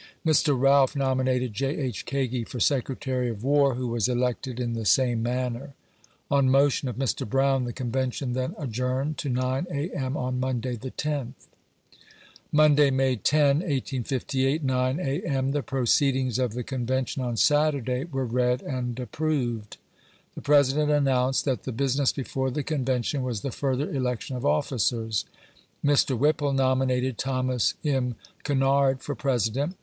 Mr. Realf nominated J. H. Kagi for Secretary of "War, who was elected in the same manner. On motion of Mr. Brown, the Convention then adjourned to 9, A. M , on Monday, the 10 th. Mokdat, May 10, 1858 — P , A. M. The proceedings of the Convention on Saturday were read and approved. The President announced that the business before the Convention was the further election of officers. Mr. "Whipple nominated Thomas M. Kinnardfor President.